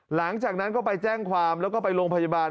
หลังจากนั้นก็ไปแจ้งความแล้วก็ไปโรงพยาบาล